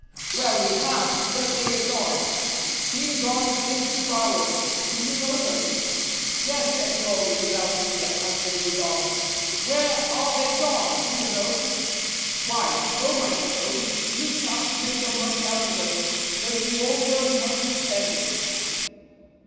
"Well, we had! But they are gone been gone this two hours. Do you know them?" "Yes," said Crawley, without fear, as they were gone. "Where are they gone, do you know?" "Why, home, I suppose; you chaps make your money out of us, but you all run home to spend it."